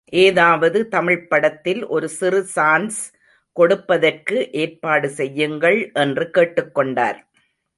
ஏதாவது தமிழ்ப் படத்தில் ஒரு சிறு சான்ஸ் கொடுப்பதற்கு ஏற்பாடு செய்யுங்கள் என்று கேட்டுக் கொண்டார்.